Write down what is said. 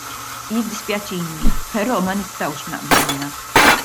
Jiddispjaċini però ma nistgħux naqblu miegħek.